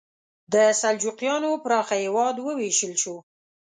د سلجوقیانو پراخه هېواد وویشل شو.